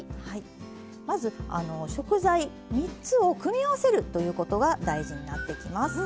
まず食材３つを組み合わせるということが大事になってきます。